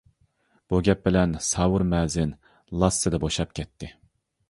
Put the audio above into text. بۇ گەپ بىلەن ساۋۇر مەزىن لاسسىدە بوشاپ كەتتى.